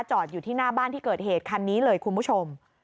อยู่ที่หน้าบ้านที่เกิดเหตุคันนี้เลยคุณผู้ชม